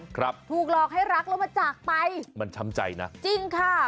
ครับมันช้ำใจนะจริงค่ะ